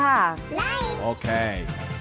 ไลค์โอเค